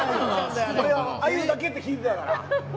あゆだけって聞いてたから。